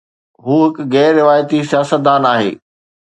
هو هڪ غير روايتي سياستدان آهي.